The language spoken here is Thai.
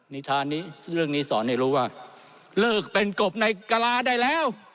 นิทานนี้ซึ่งเรื่องนี้สอนให้รู้ว่าเลิกเป็นกบในกะลาได้แล้ว